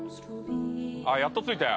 やっとついたよ。